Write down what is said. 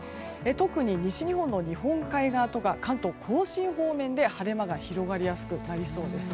特に西日本の日本海側とか関東・甲信方面で晴れ間が広がりやすくなりそうです。